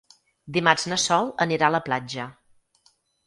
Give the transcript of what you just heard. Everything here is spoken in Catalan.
Dimarts na Sol anirà a la platja.